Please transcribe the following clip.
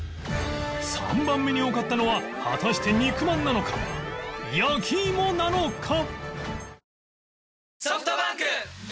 ３番目に多かったのは果たして肉まんなのか焼き芋なのか